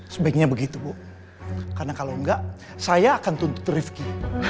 sebaiknya begitu bu karena kalau enggak saya akan tuntut rifki